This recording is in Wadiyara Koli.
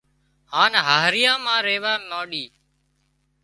هانَ هاهريان مان ريوا مانڏي